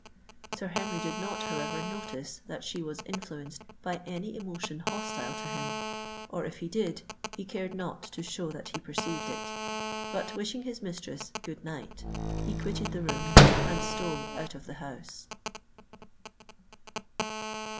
Sir Henry did not, however, notice that she was influenced by any emotion hostile to him; or if he did, he cared not to show that he perceived it;—but, wishing his mistress "good night," he quitted the room, and stole out of the house.